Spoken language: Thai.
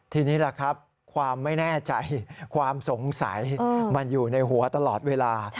ทีนี้ล่ะครับความไม่แน่ใจความสงสัยมันอยู่ในหัวตลอดเวลา